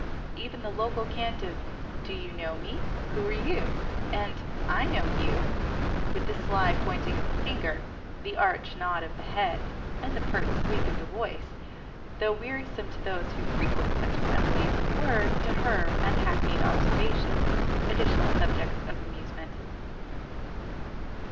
Even the local cant of, Do you know me? Who are you? and I know you; with the sly pointing of the finger, the arch nod of the head, and the pert squeak of the voice, though wearisome to those who frequent such assemblies, were, to her unhackneyed observation, additional subjects of amusement.